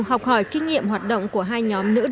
học hỏi kinh nghiệm hoạt động của hai nhóm nữ đại biểu